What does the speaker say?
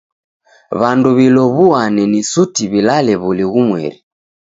W'andu w'ilow'uane si suti w'ilalew'uli ghumweri.